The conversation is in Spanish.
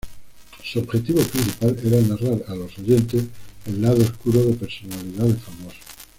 Su objetivo principal era narrar a los oyentes el "lado oscuro" de personalidades famosas.